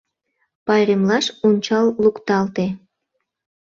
Пайремлаш унчал лукталте.